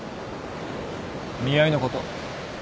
見合いのこと。